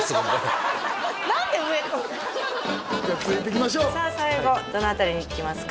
じゃあ続いていきましょう最後どの辺りにいきますか？